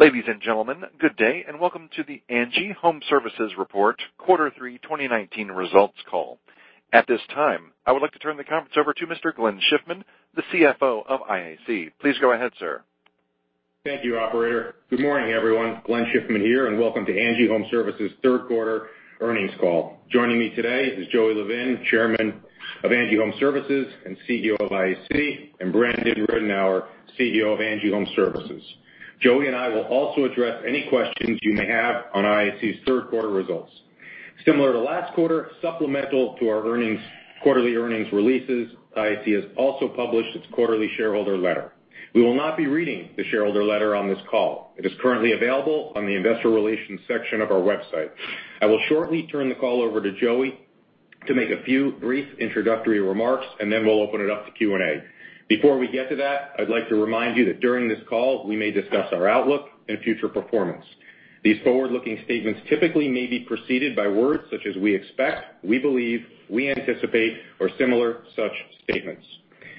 Ladies and gentlemen, good day, welcome to the ANGI Homeservices report, quarter three 2019 results call. At this time, I would like to turn the conference over to Mr. Glenn Schiffman, the CFO of IAC. Please go ahead, sir. Thank you, operator. Good morning, everyone. Glenn Schiffman here, and welcome to ANGI Homeservices' third quarter earnings call. Joining me today is Joey Levin, Chairman of ANGI Homeservices and CEO of IAC, and Brandon Ridenour, CEO of ANGI Homeservices. Joey and I will also address any questions you may have on IAC's third quarter results. Similar to last quarter, supplemental to our quarterly earnings releases, IAC has also published its quarterly shareholder letter. We will not be reading the shareholder letter on this call. It is currently available on the investor relations section of our website. I will shortly turn the call over to Joey to make a few brief introductory remarks, and then we'll open it up to Q&A. Before we get to that, I'd like to remind you that during this call, we may discuss our outlook and future performance. These forward-looking statements typically may be preceded by words such as "we expect," "we believe," "we anticipate," or similar such statements.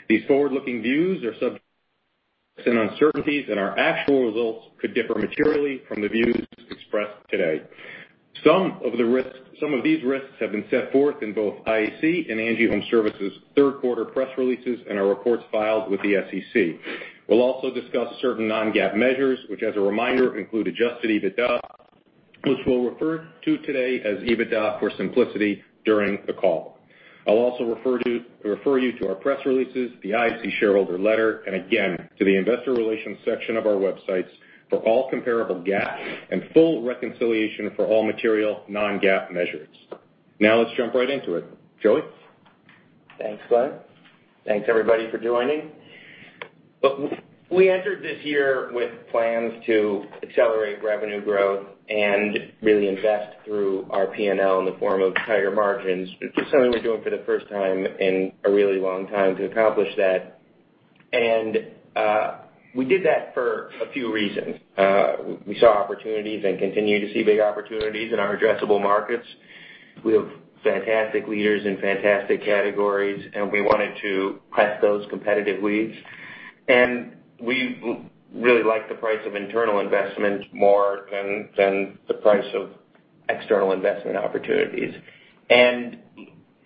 These forward-looking views are subject to risks and uncertainties, and our actual results could differ materially from the views expressed today. Some of these risks have been set forth in both IAC and ANGI Homeservices' third quarter press releases and our reports filed with the SEC. We'll also discuss certain non-GAAP measures, which, as a reminder, include adjusted EBITDA, which we'll refer to today as EBITDA for simplicity during the call. I'll also refer you to our press releases, the IAC shareholder letter, and again, to the investor relations section of our websites for all comparable GAAP and full reconciliation for all material non-GAAP measures. Now let's jump right into it. Joey? Thanks, Glenn. Thanks everybody for joining. Look, we entered this year with plans to accelerate revenue growth and really invest through our P&L in the form of higher margins, which is something we're doing for the first time in a really long time to accomplish that. We did that for a few reasons. We saw opportunities and continue to see big opportunities in our addressable markets. We have fantastic leaders in fantastic categories, and we wanted to plant those competitive weeds. We really like the price of internal investment more than the price of external investment opportunities.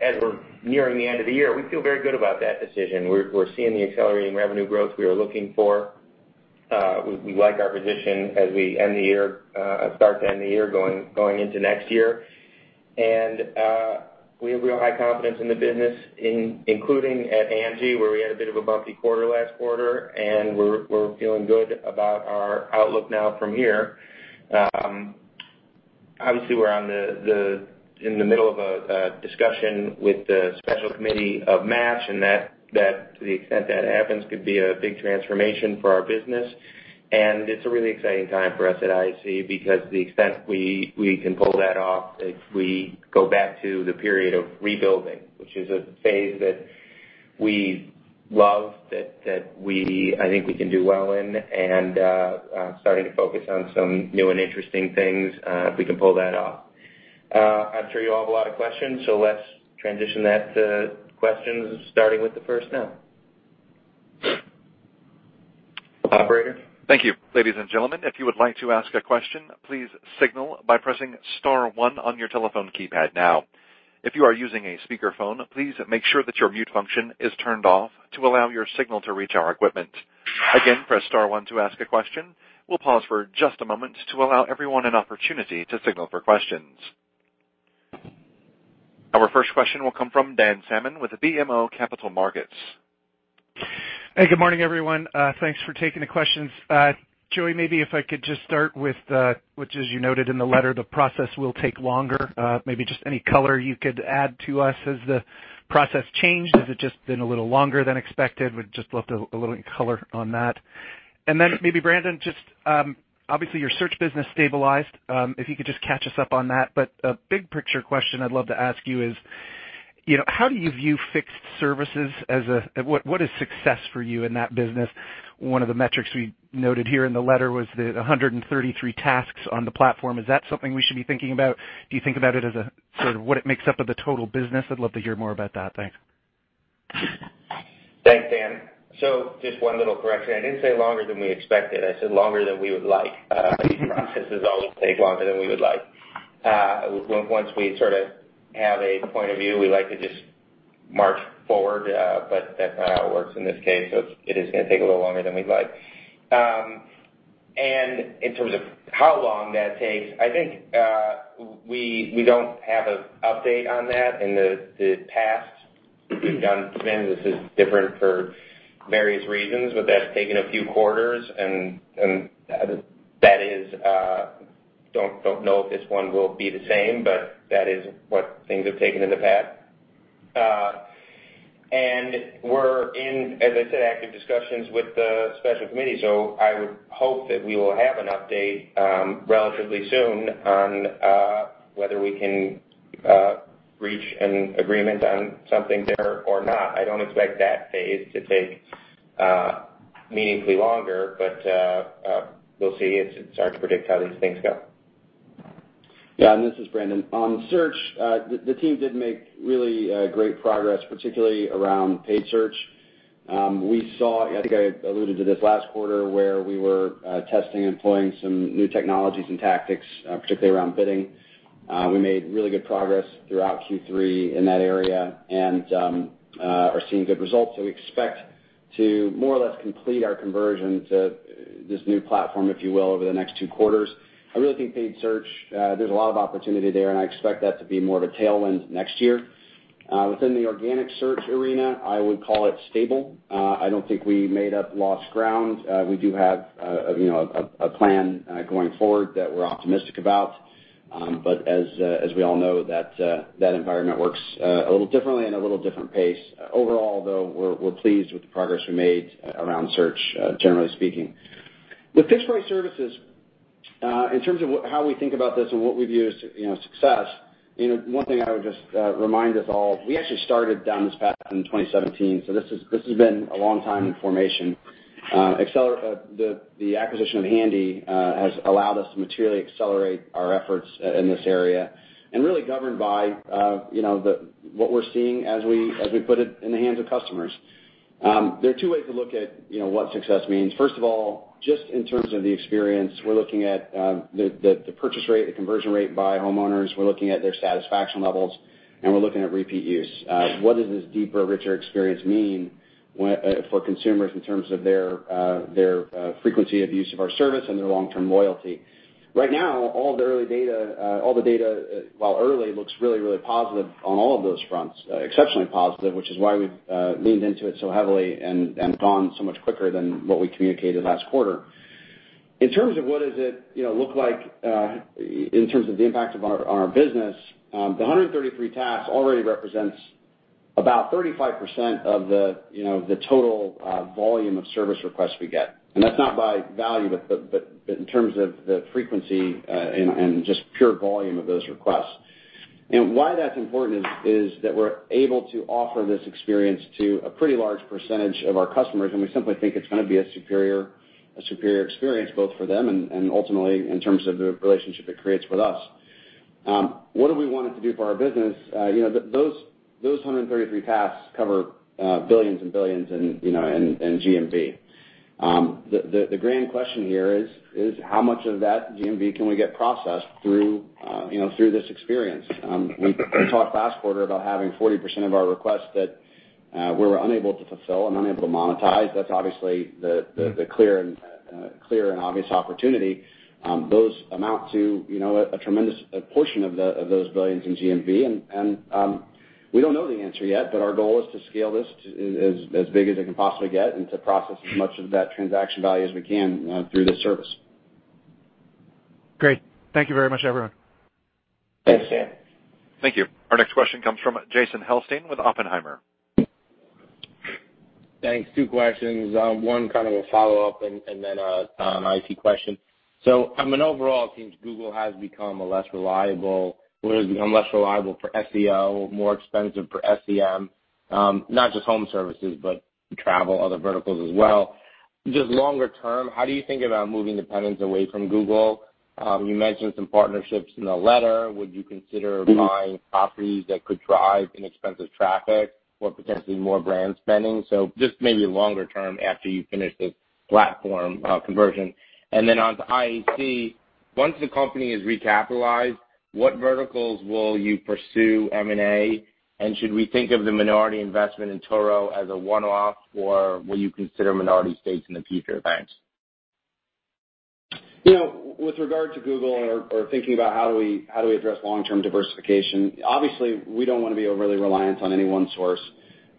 As we're nearing the end of the year, we feel very good about that decision. We're seeing the accelerating revenue growth we are looking for. We like our position as we start to end the year going into next year. We have real high confidence in the business, including at ANGI, where we had a bit of a bumpy quarter last quarter, and we're feeling good about our outlook now from here. Obviously, we're in the middle of a discussion with the special committee of Match, and to the extent that happens, could be a big transformation for our business. It's a really exciting time for us at IAC because to the extent we can pull that off, we go back to the period of rebuilding, which is a phase that we love, that I think we can do well in, and starting to focus on some new and interesting things if we can pull that off. I'm sure you all have a lot of questions, so let's transition that to questions, starting with the first now. Operator? Thank you. Ladies and gentlemen, if you would like to ask a question, please signal by pressing star one on your telephone keypad now. If you are using a speakerphone, please make sure that your mute function is turned off to allow your signal to reach our equipment. Again, press star one to ask a question. We'll pause for just a moment to allow everyone an opportunity to signal for questions. Our first question will come from Dan Salmon with BMO Capital Markets. Hey, good morning, everyone. Thanks for taking the questions. Joey, maybe if I could just start with, which as you noted in the letter, the process will take longer. Maybe just any color you could add to us. Has the process changed? Has it just been a little longer than expected? Would just love a little color on that. Maybe Brandon, obviously your search business stabilized. If you could just catch us up on that. A big picture question I'd love to ask you is, how do you view Fixd services? What is success for you in that business? One of the metrics we noted here in the letter was the 133 tasks on the platform. Is that something we should be thinking about? Do you think about it as a sort of what it makes up of the total business? I'd love to hear more about that. Thanks. Thanks, Dan. Just one little correction. I didn't say longer than we expected. I said longer than we would like. These processes always take longer than we would like. Once we sort of have a point of view, we like to just march forward, but that's not how it works in this case. It is going to take a little longer than we'd like. In terms of how long that takes, I think we don't have an update on that. In the past, Dan, this is different for various reasons, but that's taken a few quarters. Don't know if this one will be the same, but that is what things have taken in the past. We're in, as I said, active discussions with the special committee. I would hope that we will have an update relatively soon on whether we can reach an agreement on something there or not. I don't expect that phase to take meaningfully longer, but we'll see. It's hard to predict how these things go. This is Brandon. On search, the team did make really great progress, particularly around paid search. I think I alluded to this last quarter where we were testing and employing some new technologies and tactics, particularly around bidding. We made really good progress throughout Q3 in that area and are seeing good results. We expect to more or less complete our conversion to this new platform, if you will, over the next two quarters. I really think paid search, there's a lot of opportunity there, and I expect that to be more of a tailwind next year. Within the organic search arena, I would call it stable. I don't think we made up lost ground. We do have a plan going forward that we're optimistic about. As we all know, that environment works a little differently and a little different pace. Overall, though, we're pleased with the progress we made around search, generally speaking. With fixed price services, in terms of how we think about this and what we view as success, one thing I would just remind us all, we actually started down this path in 2017, so this has been a long time in formation. The acquisition of Handy has allowed us to materially accelerate our efforts in this area and really governed by what we're seeing as we put it in the hands of customers. There are two ways to look at what success means. First of all, just in terms of the experience, we're looking at the purchase rate, the conversion rate by homeowners. We're looking at their satisfaction levels, and we're looking at repeat use. What does this deeper, richer experience mean for consumers in terms of their frequency of use of our service and their long-term loyalty? Right now, all the data, while early, looks really positive on all of those fronts, exceptionally positive, which is why we've leaned into it so heavily and gone so much quicker than what we communicated last quarter. In terms of what does it look like in terms of the impact on our business, the 133 tasks already represents about 35% of the total volume of service requests we get. That's not by value, but in terms of the frequency and just pure volume of those requests. Why that's important is that we're able to offer this experience to a pretty large percentage of our customers, and we simply think it's going to be a superior experience both for them and ultimately in terms of the relationship it creates with us. What do we want it to do for our business? Those 133 tasks cover billions and billions in GMV. The grand question here is how much of that GMV can we get processed through this experience? We talked last quarter about having 40% of our requests that we were unable to fulfill and unable to monetize. That's obviously the clear and obvious opportunity. Those amount to a tremendous portion of those billions in GMV. We don't know the answer yet. Our goal is to scale this as big as it can possibly get and to process as much of that transaction value as we can through this service. Great. Thank you very much, everyone. Thanks, Dan. Thank you. Our next question comes from Jason Helfstein with Oppenheimer. Thanks. Two questions, one kind of a follow-up and then an IAC question. I mean, overall, it seems Google has become less reliable for SEO, more expensive for SEM, not just home services, but travel, other verticals as well. Just longer term, how do you think about moving dependence away from Google? You mentioned some partnerships in the letter. Would you consider buying properties that could drive inexpensive traffic or potentially more brand spending? Just maybe longer term after you finish this platform conversion. Then onto IAC, once the company is recapitalized, what verticals will you pursue M&A? Should we think of the minority investment in Turo as a one-off, or will you consider minority stakes in the future? Thanks. With regard to Google or thinking about how do we address long-term diversification, obviously, we don't want to be overly reliant on any one source.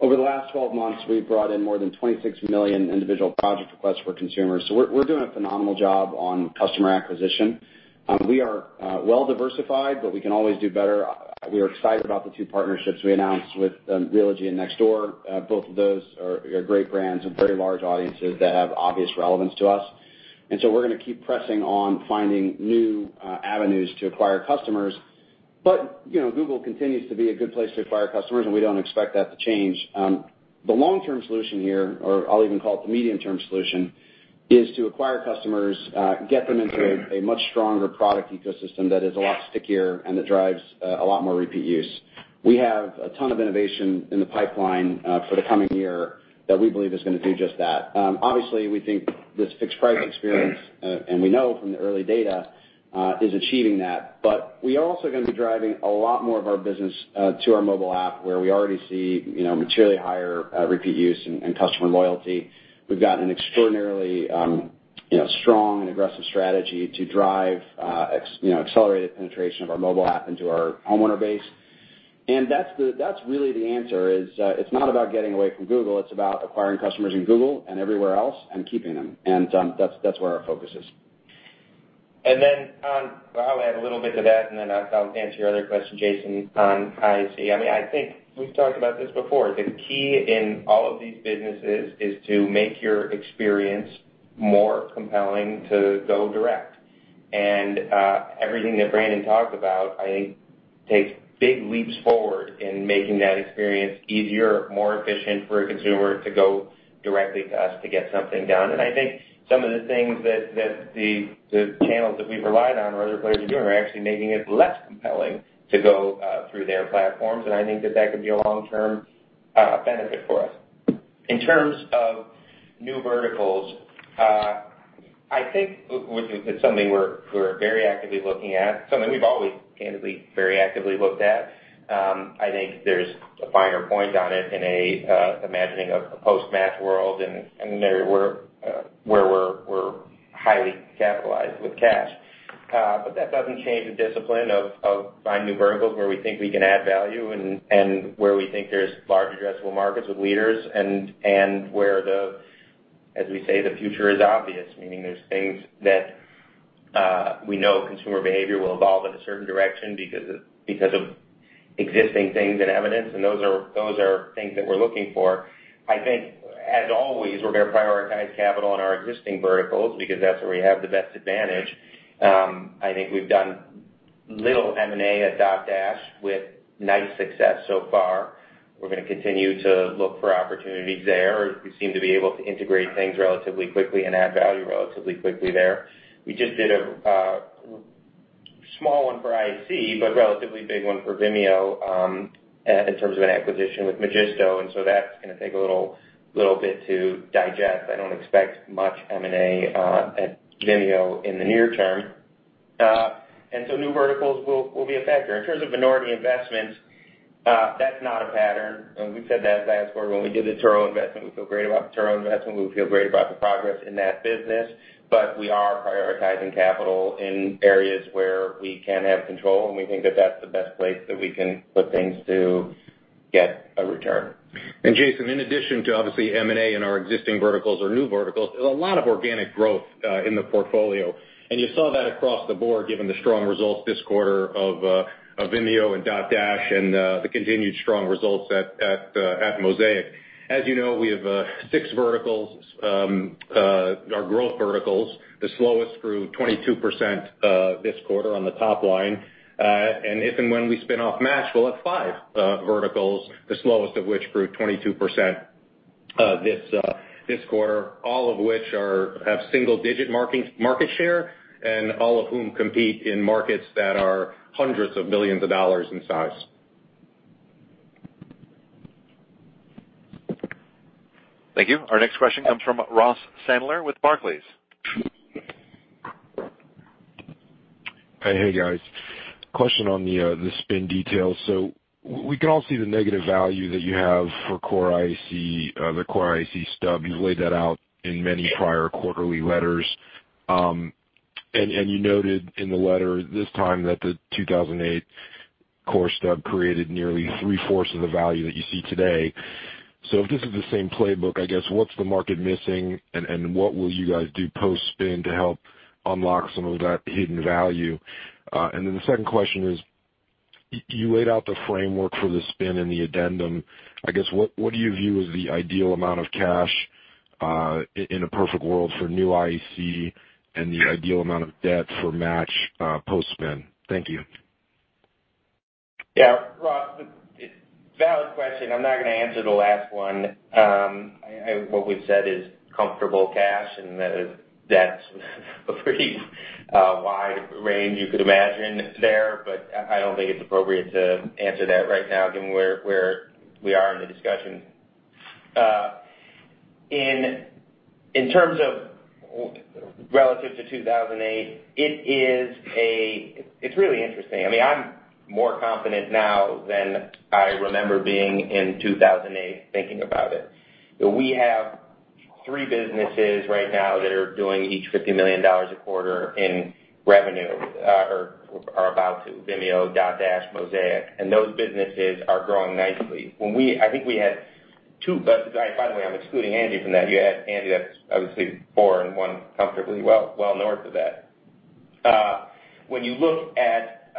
Over the last 12 months, we've brought in more than 26 million individual project requests for consumers. We're doing a phenomenal job on customer acquisition. We are well diversified, but we can always do better. We are excited about the two partnerships we announced with Realogy and Nextdoor. Both of those are great brands with very large audiences that have obvious relevance to us. We're going to keep pressing on finding new avenues to acquire customers. Google continues to be a good place to acquire customers, and we don't expect that to change. The long-term solution here, or I'll even call it the medium-term solution, is to acquire customers, get them into a much stronger product ecosystem that is a lot stickier and that drives a lot more repeat use. We have a ton of innovation in the pipeline for the coming year that we believe is going to do just that. Obviously, we think this fixed price experience, and we know from the early data, is achieving that. We are also going to be driving a lot more of our business to our mobile app, where we already see materially higher repeat use and customer loyalty. We've got an extraordinarily strong and aggressive strategy to drive accelerated penetration of our mobile app into our homeowner base. That's really the answer is, it's not about getting away from Google, it's about acquiring customers in Google and everywhere else and keeping them. That's where our focus is. Then I'll add a little bit to that, and then I'll answer your other question, Jason, on IAC. I think we've talked about this before. The key in all of these businesses is to make your experience more compelling to go direct. Everything that Brandon talked about, I think takes big leaps forward in making that experience easier, more efficient for a consumer to go directly to us to get something done. I think some of the things that the channels that we've relied on or other players are doing are actually making it less compelling to go through their platforms. I think that could be a long-term benefit for us. In terms of new verticals, I think it's something we're very actively looking at, something we've always candidly very actively looked at. I think there's a finer point on it in a imagining of a post-Match world and an area where we're highly capitalized with cash. That doesn't change the discipline of buying new verticals where we think we can add value and where we think there's large addressable markets with leaders and where the, as we say, the future is obvious, meaning there's things that we know consumer behavior will evolve in a certain direction because of existing things and evidence. Those are things that we're looking for. I think, as always, we're going to prioritize capital in our existing verticals because that's where we have the best advantage. I think we've done little M&A at Dotdash with nice success so far. We're going to continue to look for opportunities there. We seem to be able to integrate things relatively quickly and add value relatively quickly there. We just did a small one for IAC, but relatively big one for Vimeo, in terms of an acquisition with Magisto, that's going to take a little bit to digest. I don't expect much M&A at Vimeo in the near term. New verticals will be a factor. In terms of minority investments, that's not a pattern. We've said that last quarter when we did the Turo investment. We feel great about the Turo investment. We feel great about the progress in that business. We are prioritizing capital in areas where we can have control, and we think that that's the best place that we can put things to get a return. Jason, in addition to obviously M&A in our existing verticals or new verticals, there's a lot of organic growth in the portfolio. You saw that across the board, given the strong results this quarter of Vimeo and Dotdash and the continued strong results at Mosaic. As you know, we have six verticals, our growth verticals. The slowest grew 22% this quarter on the top line. If and when we spin off Match, we'll have five verticals, the slowest of which grew 22% this quarter, all of which have single-digit market share and all of whom compete in markets that are hundreds of millions of dollars in size. Thank you. Our next question comes from Ross Sandler with Barclays. Hey, guys. Question on the spin details. We can all see the negative value that you have for Core IAC, the Core IAC stub. You've laid that out in many prior quarterly letters. You noted in the letter this time that the 2008 Core stub created nearly three-fourths of the value that you see today. If this is the same playbook, I guess, what's the market missing, and what will you guys do post-spin to help unlock some of that hidden value? The second question is, you laid out the framework for the spin and the addendum. I guess, what do you view as the ideal amount of cash, in a perfect world, for New IAC and the ideal amount of debt for Match post-spin? Thank you. Yeah, Ross, valid question. I'm not going to answer the last one. What we've said is comfortable cash, and that's a pretty wide range you could imagine there, but I don't think it's appropriate to answer that right now given where we are in the discussion. In terms of relative to 2008, it's really interesting. I'm more confident now than I remember being in 2008, thinking about it. We have three businesses right now that are doing each $50 million a quarter in revenue, or are about to, Vimeo, Dotdash, Mosaic, and those businesses are growing nicely. I think we had two By the way, I'm excluding Angie from that. You add Angie, that's obviously four and one comfortably well north of that. When you look at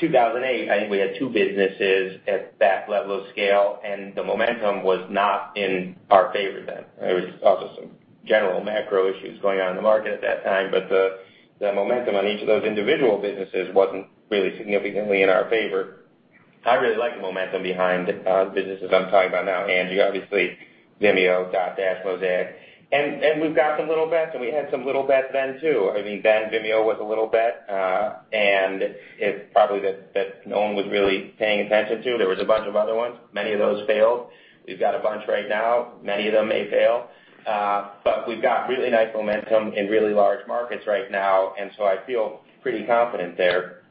2008, I think we had two businesses at that level of scale, and the momentum was not in our favor then. There was also some general macro issues going on in the market at that time, but the momentum on each of those individual businesses wasn't really significantly in our favor. I really like the momentum behind the businesses I'm talking about now, Angie, obviously, Vimeo, Dotdash, Mosaic. We've got some little bets, and we had some little bets then, too. Vimeo was a little bet, and probably that no one was really paying attention to. There was a bunch of other ones. Many of those failed. We've got a bunch right now. Many of them may fail. We've got really nice momentum in really large markets right now, and so I feel pretty confident there.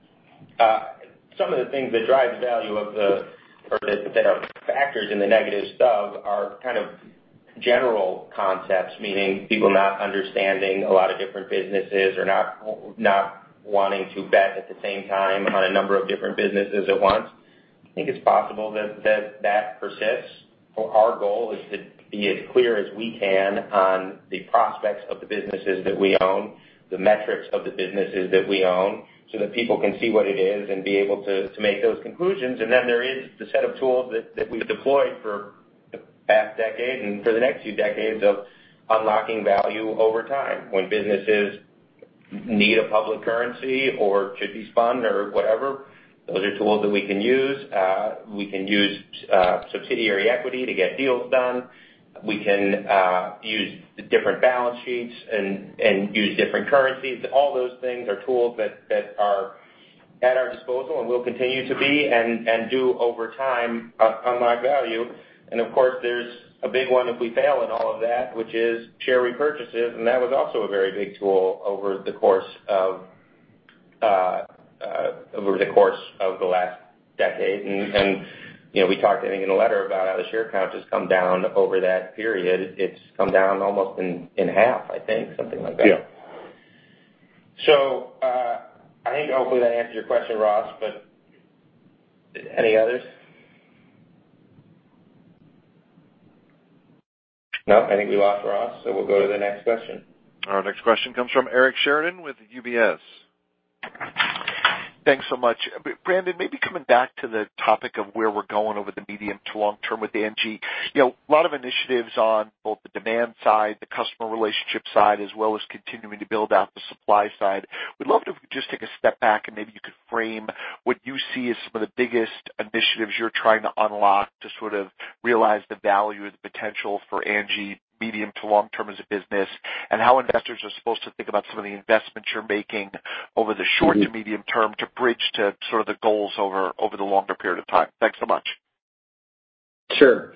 Some of the things that drive the value of the or that are factors in the negative stub are general concepts, meaning people not understanding a lot of different businesses or not wanting to bet at the same time on a number of different businesses at once. I think it's possible that persists. Our goal is to be as clear as we can on the prospects of the businesses that we own, the metrics of the businesses that we own, so that people can see what it is and be able to make those conclusions. There is the set of tools that we've deployed for The past decade for the next few decades of unlocking value over time. When businesses need a public currency or should be spun or whatever, those are tools that we can use. We can use subsidiary equity to get deals done. We can use different balance sheets and use different currencies. All those things are tools that are at our disposal and will continue to be and do over time, unlock value. Of course, there's a big one if we fail in all of that, which is share repurchases, and that was also a very big tool over the course of the last decade. We talked, I think, in the letter about how the share count has come down over that period. It's come down almost in half, I think. Something like that. Yeah. I think hopefully that answers your question, Ross, but any others? No, I think we lost Ross, so we'll go to the next question. Our next question comes from Eric Sheridan with UBS. Thanks so much. Brandon, maybe coming back to the topic of where we're going over the medium to long term with ANGI. A lot of initiatives on both the demand side, the customer relationship side, as well as continuing to build out the supply side. We'd love to, if you could just take a step back and maybe you could frame what you see as some of the biggest initiatives you're trying to unlock to sort of realize the value or the potential for ANGI medium to long term as a business, and how investors are supposed to think about some of the investments you're making over the short to medium term to bridge to sort of the goals over the longer period of time. Thanks so much. Sure.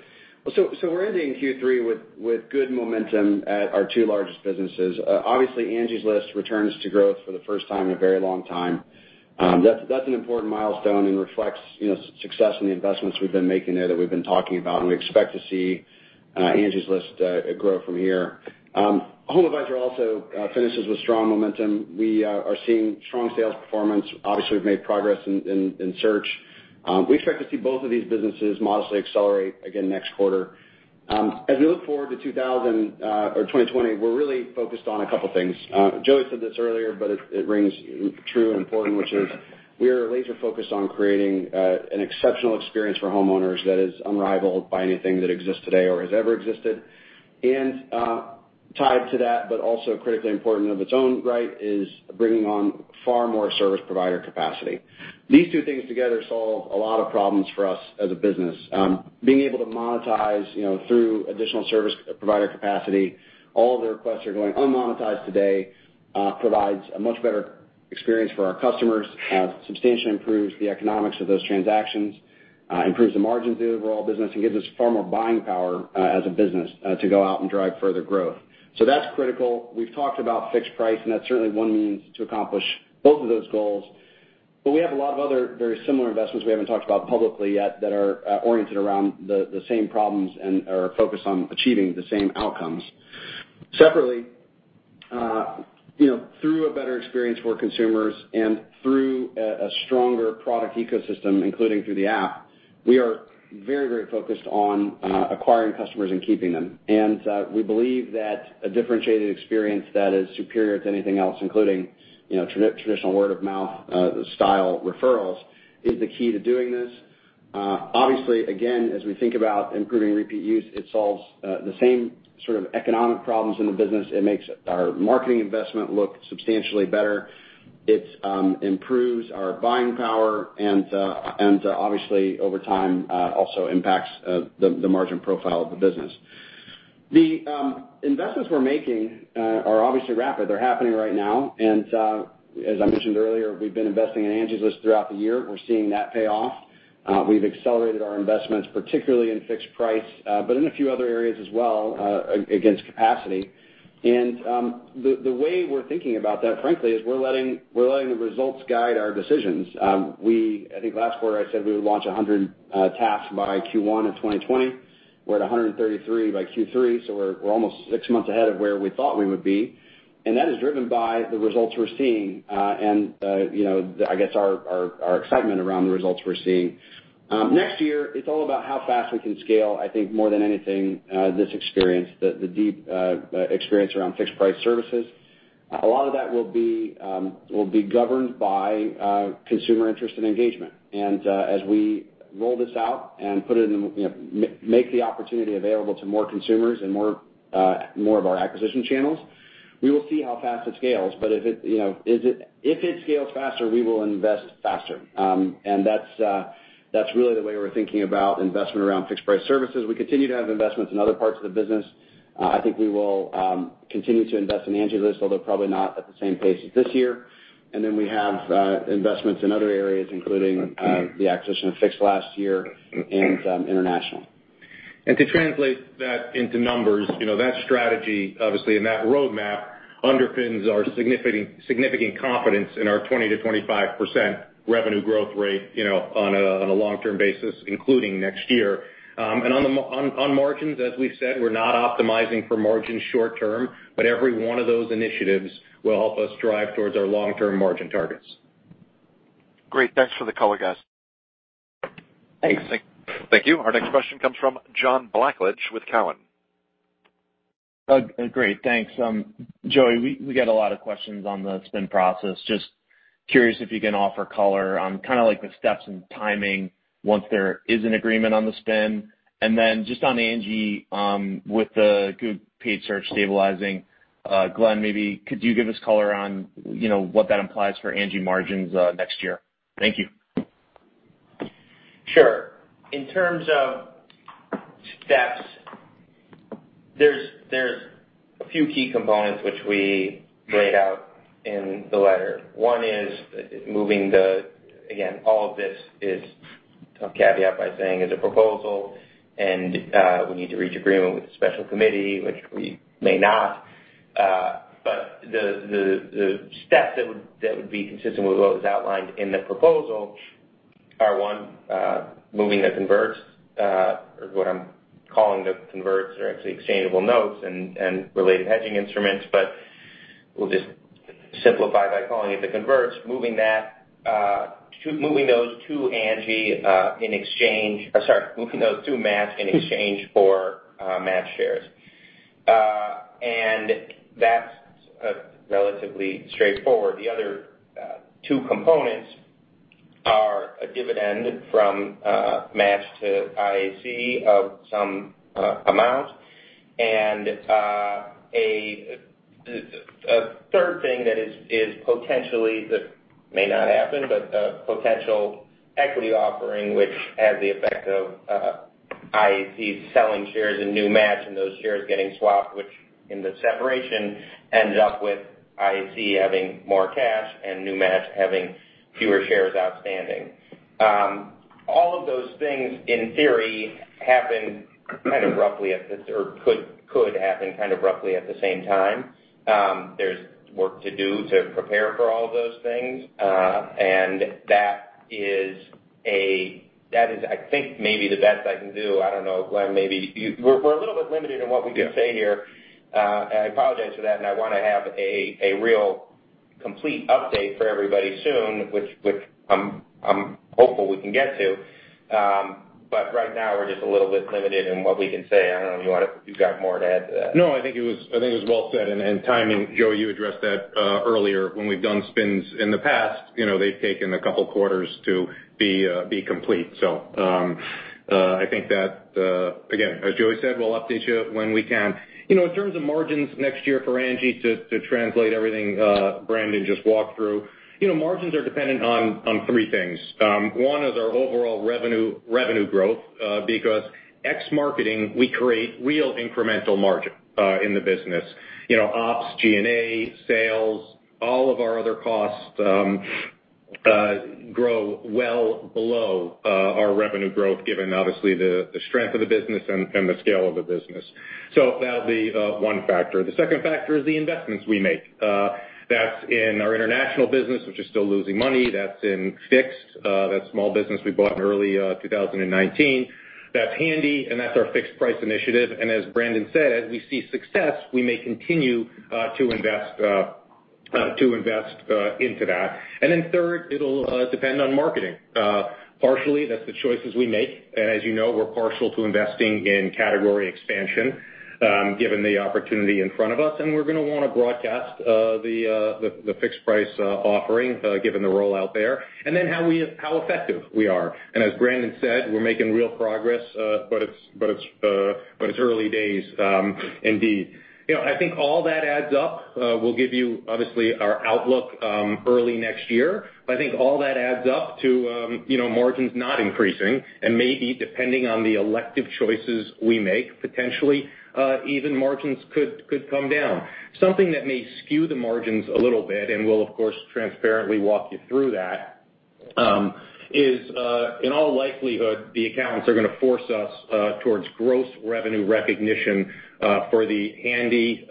We're ending Q3 with good momentum at our two largest businesses. Obviously, Angie's List returns to growth for the first time in a very long time. That's an important milestone and reflects success in the investments we've been making there that we've been talking about, and we expect to see Angie's List grow from here. HomeAdvisor also finishes with strong momentum. We are seeing strong sales performance. Obviously, we've made progress in search. We expect to see both of these businesses modestly accelerate again next quarter. As we look forward to 2000 or 2020, we're really focused on a couple things. Joey said this earlier, but it rings true and important, which is we are laser focused on creating an exceptional experience for homeowners that is unrivaled by anything that exists today or has ever existed. Tied to that, but also critically important in of its own right, is bringing on far more service provider capacity. These two things together solve a lot of problems for us as a business. Being able to monetize through additional service provider capacity, all of the requests that are going unmonetized today provides a much better experience for our customers, substantially improves the economics of those transactions, improves the margins of the overall business, and gives us far more buying power as a business to go out and drive further growth. That's critical. We've talked about fixed price, and that's certainly one means to accomplish both of those goals. We have a lot of other very similar investments we haven't talked about publicly yet that are oriented around the same problems and are focused on achieving the same outcomes. Separately, through a better experience for consumers and through a stronger product ecosystem, including through the app, we are very focused on acquiring customers and keeping them. We believe that a differentiated experience that is superior to anything else, including traditional word of mouth style referrals, is the key to doing this. Obviously, again, as we think about improving repeat use, it solves the same sort of economic problems in the business. It makes our marketing investment look substantially better. It improves our buying power and, obviously, over time, also impacts the margin profile of the business. The investments we're making are obviously rapid. They're happening right now. As I mentioned earlier, we've been investing in Angie's List throughout the year. We're seeing that pay off. We've accelerated our investments, particularly in fixed price, but in a few other areas as well, against capacity. The way we're thinking about that, frankly, is we're letting the results guide our decisions. I think last quarter I said we would launch 100 tasks by Q1 of 2020. We're at 133 by Q3, we're almost six months ahead of where we thought we would be. That is driven by the results we're seeing and I guess our excitement around the results we're seeing. Next year, it's all about how fast we can scale, I think more than anything, this experience, the deep experience around fixed price services. A lot of that will be governed by consumer interest and engagement. As we roll this out and make the opportunity available to more consumers and more of our acquisition channels, we will see how fast it scales. If it scales faster, we will invest faster. That's really the way we're thinking about investment around fixed price services. We continue to have investments in other parts of the business. I think we will continue to invest in Angie's List, although probably not at the same pace as this year. Then we have investments in other areas, including the acquisition of Fixd last year and international. To translate that into numbers, that strategy, obviously, and that roadmap underpins our significant confidence in our 20%-25% revenue growth rate on a long-term basis, including next year. On margins, as we've said, we're not optimizing for margin short term, but every one of those initiatives will help us drive towards our long-term margin targets. Great. Thanks for the color, guys. Thanks. Thank you. Our next question comes from John Blackledge with Cowen. Great. Thanks. Joey, we get a lot of questions on the spin process. Just curious if you can offer color on the steps and timing once there is an agreement on the spin. Just on ANGI, with the Google paid search stabilizing, Glenn, maybe could you give us color on what that implies for ANGI margins next year? Thank you. Sure. In terms of steps, there's a few key components which we laid out in the letter. One is moving the, again, all of this is caveat by saying is a proposal, and we need to reach agreement with the special committee, which we may not. The steps that would be consistent with what was outlined in the proposal are, one, moving the converts, or what I'm calling the converts, or actually exchangeable notes and related hedging instruments. We'll just simplify by calling it the converts, moving those to Match in exchange for Match shares. That's relatively straightforward. The other two components are a dividend from Match to IAC of some amount. A third thing that may not happen, but a potential equity offering, which has the effect of IAC selling shares in New Match and those shares getting swapped, which in the separation, ends up with IAC having more cash and New Match having fewer shares outstanding. All of those things, in theory, could happen kind of roughly at the same time. There's work to do to prepare for all of those things. That is I think maybe the best I can do. I don't know, Glenn, maybe we're a little bit limited in what we can say here. I apologize for that, and I want to have a real complete update for everybody soon, which I'm hopeful we can get to. Right now, we're just a little bit limited in what we can say. I don't know, you got more to add to that? No, I think it was well said. Timing, Joey, you addressed that earlier. When we've done spins in the past, they've taken a couple of quarters to be complete. I think that, again, as Joey said, we'll update you when we can. In terms of margins next year for ANGI to translate everything Brandon just walked through, margins are dependent on three things. One is our overall revenue growth, because ex-marketing, we create real incremental margin in the business. Ops, G&A, sales, all of our other costs grow well below our revenue growth, given obviously the strength of the business and the scale of the business. That would be one factor. The second factor is the investments we make. That's in our international business, which is still losing money. That's in Fixd Repair. That's small business we bought in early 2019. That's Handy, and that's our Fixed Price Initiative. As Brandon said, we see success, we may continue to invest into that. Third, it'll depend on marketing. Partially, that's the choices we make. As you know, we're partial to investing in category expansion, given the opportunity in front of us, and we're going to want to broadcast the Fixed Price Offering, given the rollout there. How effective we are. As Brandon said, we're making real progress, but it's early days indeed. I think all that adds up. We'll give you, obviously, our outlook early next year. I think all that adds up to margins not increasing and maybe depending on the elective choices we make, potentially, even margins could come down. Something that may skew the margins a little bit, and we'll of course, transparently walk you through that, is in all likelihood, the accountants are going to force us towards gross revenue recognition for the Handy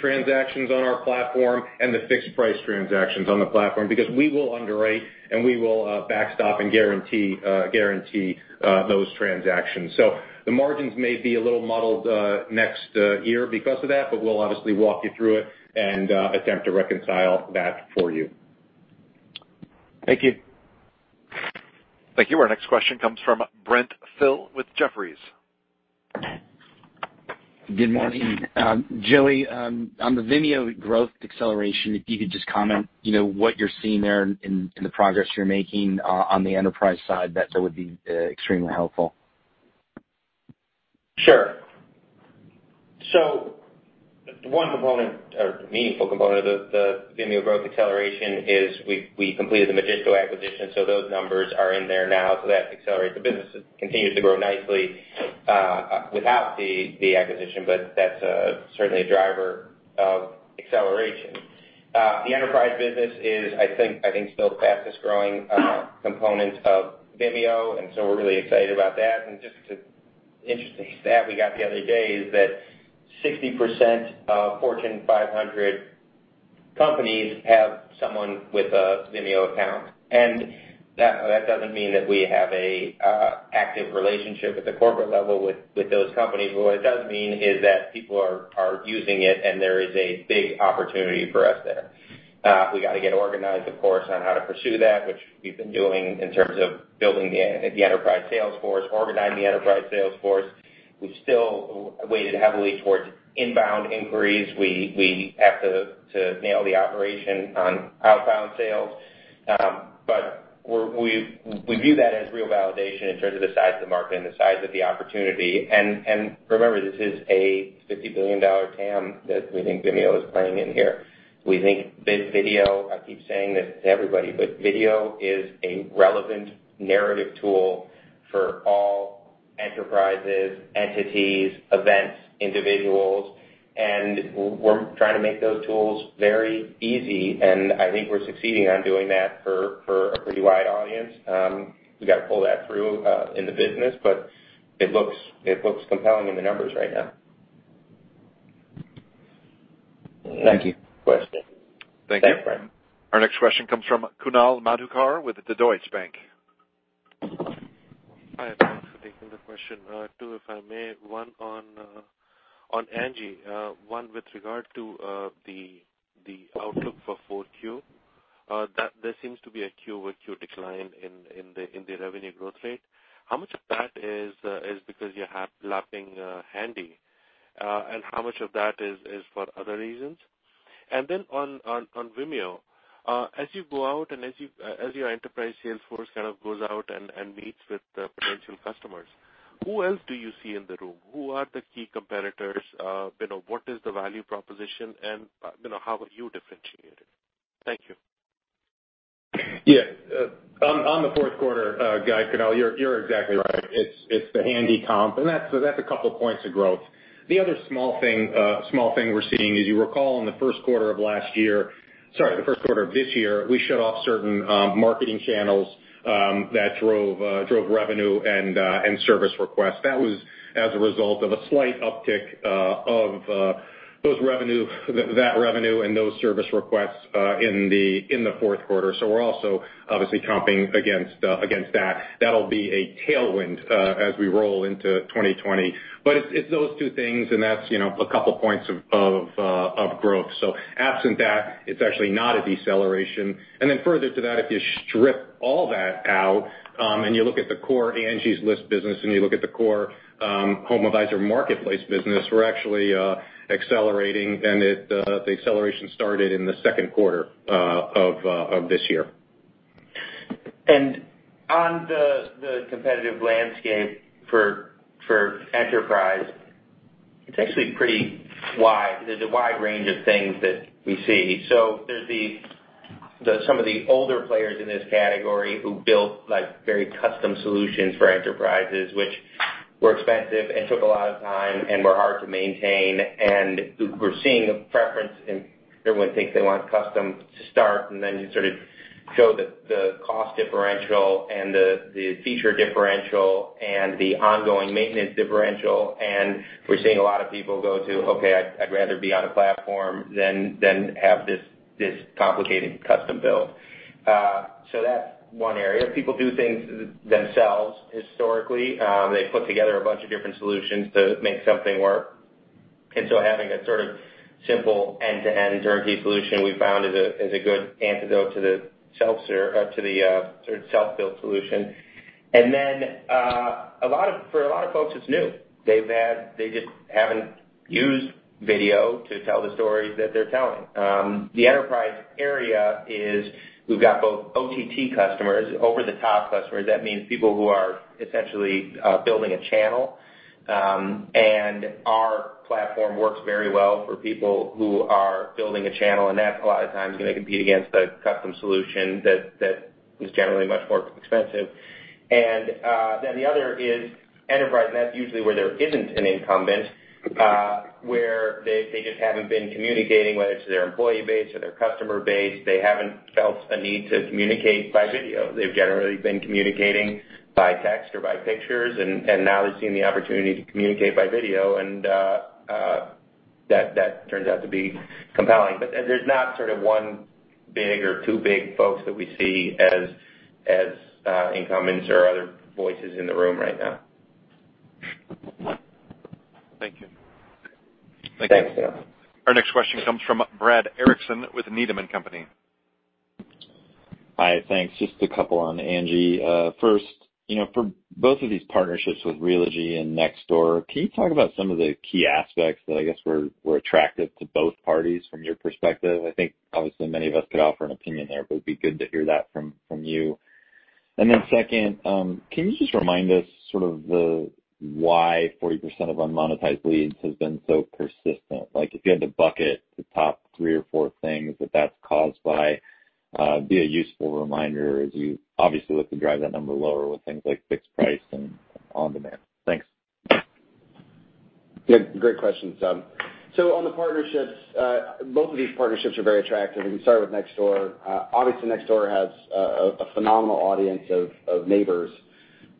transactions on our platform and the fixed price transactions on the platform, because we will underwrite and we will backstop and guarantee those transactions. The margins may be a little muddled next year because of that, but we'll obviously walk you through it and attempt to reconcile that for you. Thank you. Thank you. Our next question comes from Brent Thill with Jefferies. Good morning. Joey, on the Vimeo growth acceleration, if you could just comment what you are seeing there in the progress you are making on the enterprise side, that would be extremely helpful. One meaningful component of the Vimeo growth acceleration is we completed the Magisto acquisition, so those numbers are in there now. That accelerates the business. It continues to grow nicely without the acquisition, but that's certainly a driver of acceleration. The enterprise business is, I think, still the fastest-growing component of Vimeo, so we're really excited about that. Just an interesting stat we got the other day is that 60% of Fortune 500 companies have- That doesn't mean that we have a active relationship at the corporate level with those companies, but what it does mean is that people are using it, and there is a big opportunity for us there. We got to get organized, of course, on how to pursue that, which we've been doing in terms of building the enterprise sales force, organizing the enterprise sales force. We've still weighted heavily towards inbound inquiries. We have to nail the operation on outbound sales. We view that as real validation in terms of the size of the market and the size of the opportunity. Remember, this is a $50 billion TAM that we think Vimeo is playing in here. We think big video, I keep saying this to everybody, but video is a relevant narrative tool for all enterprises, entities, events, individuals, and we're trying to make those tools very easy, and I think we're succeeding on doing that for a pretty wide audience. We've got to pull that through in the business, but it looks compelling in the numbers right now. Thank you. Next question. Thank you. Thanks, Brent. Our next question comes from Kunal Madhukar with the Deutsche Bank. Hi, thanks for taking the question. Two, if I may, one on Angie. One with regard to the outlook for 4Q. There seems to be a quarter-over-quarter decline in the revenue growth rate. How much of that is because you're lapping Handy, and how much of that is for other reasons? On Vimeo, as you go out and as your enterprise sales force kind of goes out and meets with potential customers, who else do you see in the room? Who are the key competitors? What is the value proposition, and how are you differentiated? Thank you. Yeah. On the fourth quarter guide, Kunal, you're exactly right. It's the Handy comp, that's a couple points of growth. The other small thing we're seeing, as you recall in the first quarter of last year, sorry, the first quarter of this year, we shut off certain marketing channels that drove revenue and service requests. That was as a result of a slight uptick of that revenue and those service requests in the fourth quarter. We're also obviously comping against that. That'll be a tailwind as we roll into 2020. It's those two things and that's a couple points of growth. Absent that, it's actually not a deceleration. Further to that, if you strip all that out and you look at the core Angie's List business and you look at the core HomeAdvisor marketplace business, we're actually accelerating, and the acceleration started in the second quarter of this year. On the competitive landscape for enterprise, it's actually pretty wide. There's a wide range of things that we see. There's some of the older players in this category who built very custom solutions for enterprises, which were expensive and took a lot of time and were hard to maintain. We're seeing a preference in everyone thinks they want custom to start, and then you sort of show the cost differential and the feature differential and the ongoing maintenance differential, and we're seeing a lot of people go to, okay, I'd rather be on a platform than have this complicated custom build. That's one area. People do things themselves, historically. They put together a bunch of different solutions to make something work. Having a sort of simple end-to-end turnkey solution we found is a good antidote to the sort of self-built solution. For a lot of folks, it's new. They just haven't used video to tell the stories that they're telling. The enterprise area is we've got both OTT customers, over-the-top customers. That means people who are essentially building a channel, and our platform works very well for people who are building a channel, and that a lot of times is going to compete against a custom solution that is generally much more expensive. The other is enterprise, and that's usually where there isn't an incumbent, where they just haven't been communicating, whether it's their employee base or their customer base. They haven't felt a need to communicate by video. They've generally been communicating by text or by pictures. Now they're seeing the opportunity to communicate by video. That turns out to be compelling. There's not sort of one big or two big folks that we see as incumbents or other voices in the room right now. Thank you. Thanks. Our next question comes from Brad Erickson with Needham & Company. Hi, thanks. Just a couple on ANGI. First, for both of these partnerships with Realogy and Nextdoor, can you talk about some of the key aspects that I guess were attractive to both parties from your perspective? I think obviously many of us could offer an opinion there, but it'd be good to hear that from you. Second, can you just remind us sort of why 40% of unmonetized leads has been so persistent? If you had to bucket the top three or four things that that's caused by, it'd be a useful reminder as you obviously look to drive that number lower with things like fixed price and on-demand. Thanks. Yeah, great questions. On the partnerships, both of these partnerships are very attractive. Let me start with Nextdoor. Obviously, Nextdoor has a phenomenal audience of neighbors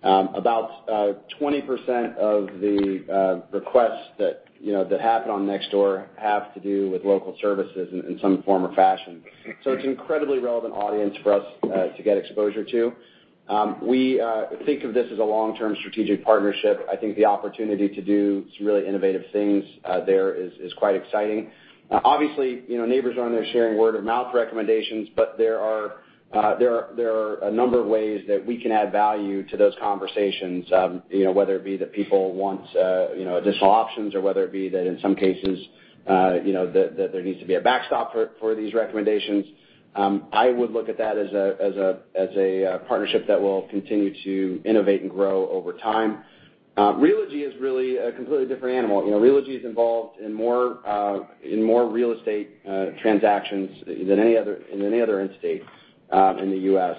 About 20% of the requests that happen on Nextdoor have to do with local services in some form or fashion. It's an incredibly relevant audience for us to get exposure to. We think of this as a long-term strategic partnership. I think the opportunity to do some really innovative things there is quite exciting. Obviously, neighbors are on there sharing word-of-mouth recommendations, there are a number of ways that we can add value to those conversations whether it be that people want additional options or whether it be that in some cases that there needs to be a backstop for these recommendations. I would look at that as a partnership that will continue to innovate and grow over time. Realogy is really a completely different animal. Realogy is involved in more real estate transactions than any other entity in the U.S.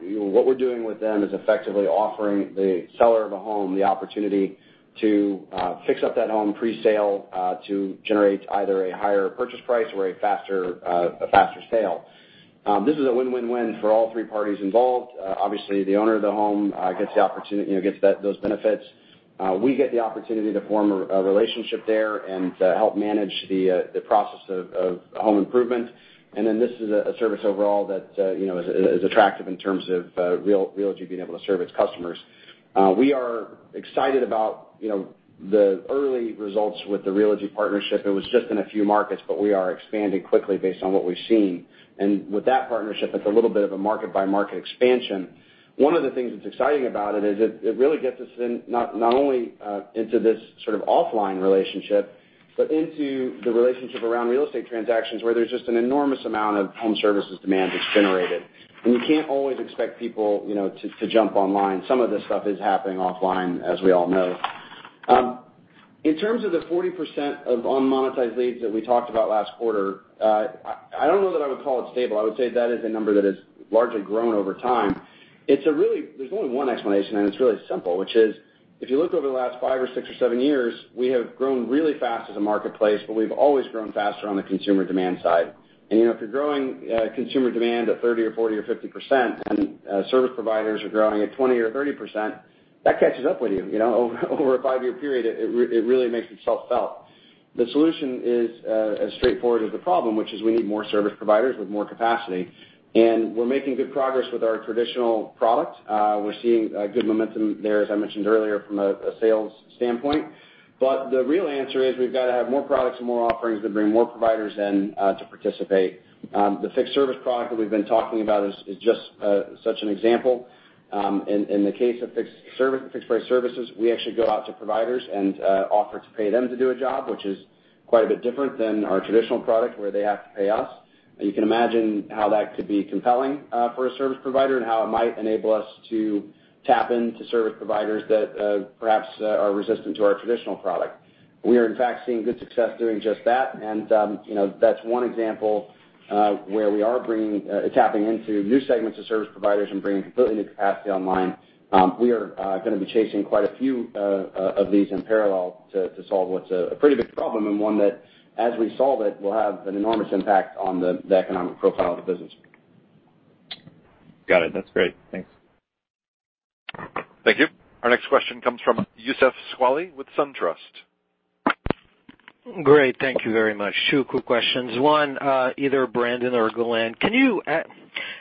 What we're doing with them is effectively offering the seller of a home the opportunity to fix up that home pre-sale to generate either a higher purchase price or a faster sale. This is a win-win-win for all three parties involved. Obviously, the owner of the home gets those benefits. We get the opportunity to form a relationship there and to help manage the process of home improvement. This is a service overall that is attractive in terms of Realogy being able to serve its customers. We are excited about the early results with the Realogy partnership. It was just in a few markets, but we are expanding quickly based on what we've seen. With that partnership, it's a little bit of a market-by-market expansion. One of the things that's exciting about it is it really gets us not only into this sort of offline relationship, but into the relationship around real estate transactions, where there's just an enormous amount of home services demand that's generated. You can't always expect people to jump online. Some of this stuff is happening offline, as we all know. In terms of the 40% of unmonetized leads that we talked about last quarter, I don't know that I would call it stable. I would say that is a number that has largely grown over time. There's only one explanation, and it's really simple, which is, if you look over the last five or six or seven years, we have grown really fast as a marketplace, but we've always grown faster on the consumer demand side. If you're growing consumer demand at 30% or 40% or 50%, and service providers are growing at 20% or 30%, that catches up with you. Over a five-year period, it really makes itself felt. The solution is as straightforward as the problem, which is we need more service providers with more capacity, and we're making good progress with our traditional product. We're seeing good momentum there, as I mentioned earlier, from a sales standpoint. The real answer is we've got to have more products and more offerings that bring more providers in to participate. The fixed service product that we've been talking about is just such an example. In the case of fixed price services, we actually go out to providers and offer to pay them to do a job, which is quite a bit different than our traditional product where they have to pay us. You can imagine how that could be compelling for a service provider and how it might enable us to tap into service providers that perhaps are resistant to our traditional product. We are, in fact, seeing good success doing just that, and that's one example where we are tapping into new segments of service providers and bringing completely new capacity online. We are gonna be chasing quite a few of these in parallel to solve what's a pretty big problem and one that, as we solve it, will have an enormous impact on the economic profile of the business. Got it. That's great. Thanks. Thank you. Our next question comes from Youssef Squali with SunTrust. Great. Thank you very much. Two quick questions. One, either Brandon or Glenn.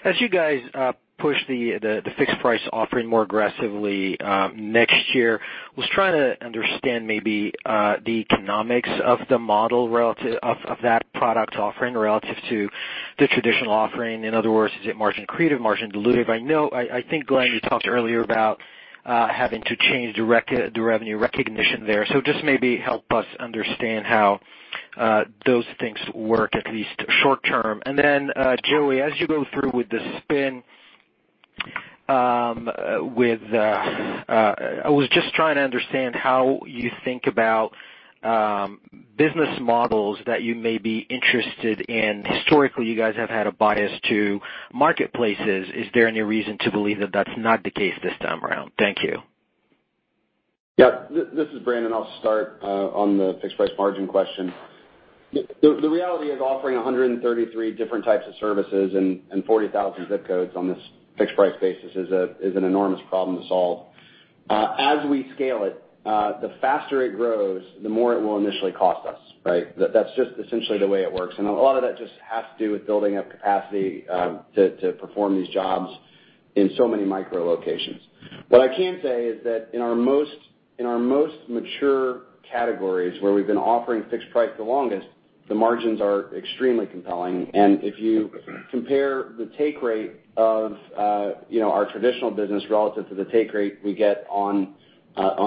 As you guys push the fixed price offering more aggressively next year, I was trying to understand maybe the economics of that product offering relative to the traditional offering. In other words, is it margin accretive, margin dilutive? I think, Glenn, you talked earlier about having to change the revenue recognition there. Just maybe help us understand how those things work, at least short-term. Then Joey, as you go through with the spin, I was just trying to understand how you think about business models that you may be interested in. Historically, you guys have had a bias to marketplaces. Is there any reason to believe that that's not the case this time around? Thank you. This is Brandon. I'll start on the fixed price margin question. The reality is offering 133 different types of services in 40,000 zip codes on this fixed price basis is an enormous problem to solve. As we scale it, the faster it grows, the more it will initially cost us, right? That's just essentially the way it works. A lot of that just has to do with building up capacity to perform these jobs in so many micro locations. What I can say is that in our most mature categories where we've been offering fixed price the longest, the margins are extremely compelling, if you compare the take rate of our traditional business relative to the take rate we get on